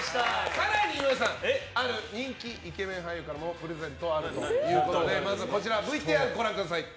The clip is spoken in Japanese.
更に岩井さんある人気イケメン俳優からもプレゼントがあるということでまずはこちらご覧ください。